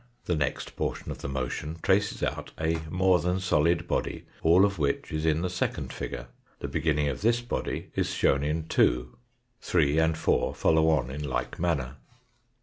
The next portion of the motion traces out a more than solid body, all of which is in the second figure; the beginning of this body is shown in 2; 3 and 4 follow on in like manner.